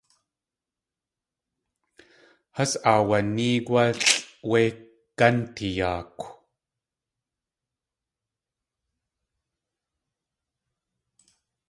Has aawanéegwálʼ wé gántiyaakw.